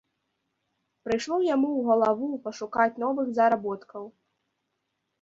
Прыйшло яму ў галаву пашукаць новых заработкаў.